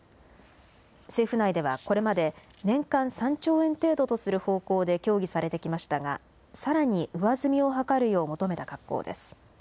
政府内ではこれまで、年間３兆円程度とする方向で協議されてきましたが、さらに上積みを図るよう求めた格好です。